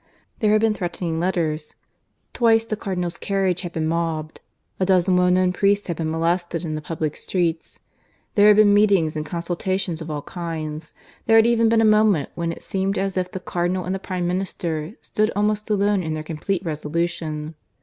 There had been threatening letters; twice the Cardinal's carriage had been mobbed; a dozen well known priests had been molested in the public streets. There had been meetings and consultations of all kinds; there had even been a moment when it seemed as if the Cardinal and the Prime Minister stood almost alone in their complete resolution.